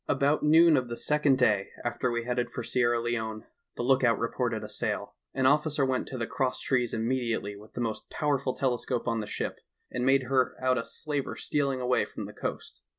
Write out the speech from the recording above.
"About noon of the second day after we headed for Sierra Leone, the lookout reported a sail. An officer went to the cross trees immediately with the most powerful telescope on the ship, and made her out a slaver stealing away from the coast.